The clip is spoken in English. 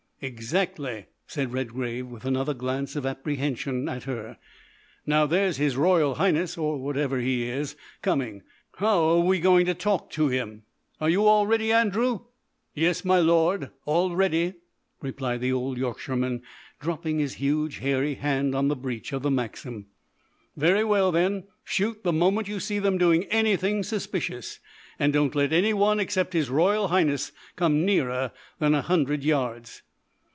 "Exactly!" said Redgrave, with another glance of apprehension at her. "Now, there's his Royal Highness, or whatever he is, coming. How are we going to talk to him? Are you all ready, Andrew?" "Yes, my Lord, all ready," replied the old Yorkshireman, dropping his huge, hairy hand on the breech of the Maxim. "Very well, then, shoot the moment you see them doing anything suspicious, and don't let any one except his Royal Highness come nearer than a hundred yards."